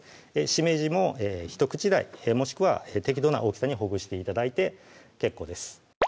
しめじもひと口大もしくは適度な大きさにほぐして頂いて結構です